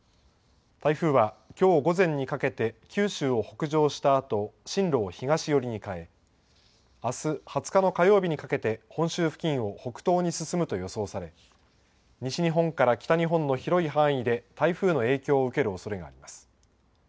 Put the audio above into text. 台風は、きょう午前にかけて九州を北上したあと、進路を東寄りに変え、あす２０日の火曜日にかけて本州付近を北東に進むと予想され、西日本から北日本の広い範囲で台風の影響を受けるおそれがあります。